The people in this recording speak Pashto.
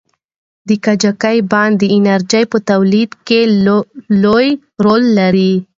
د کجکي بند د انرژۍ په تولید کې لوی رول لري.